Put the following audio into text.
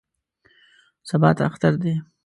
سبا ته اختر دی.